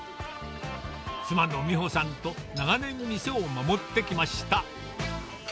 妻の三穂さんと長年、店を守ってきました。